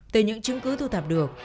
từ những chứng cứ thu thập được